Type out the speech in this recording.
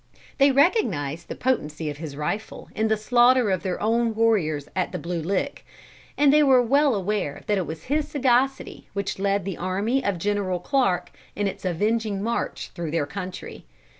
They recognised the potency of his rifle in the slaughter of their own warriors at the Blue Lick; and they were well aware that it was his sagacity which led the army of General Clarke in its avenging march through their country.